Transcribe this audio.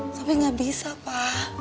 sampai gak bisa pa